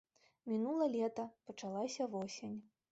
Мінула лета, пачалася восень.